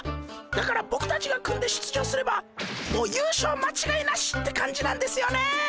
だからボクたちが組んで出場すればもう優勝間違いなしって感じなんですよね！